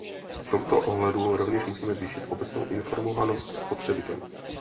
V tomto ohledu rovněž musíme zvýšit obecnou informovanost spotřebitelů.